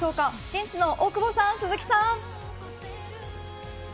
現地の大久保さん、鈴木さん。